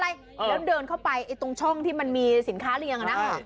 แล้วเดินเข้าไปตรงช่องที่มันมีสินค้าเลี้ยงนะครับ